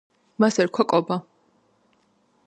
მას ერქვა კობა